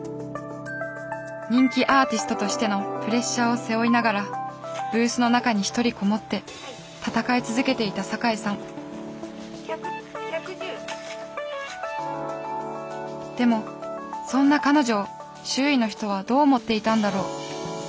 人気アーティストとしてのプレッシャーを背負いながらブースの中に一人籠もって戦い続けていた坂井さんでもそんな彼女を周囲の人はどう思っていたんだろう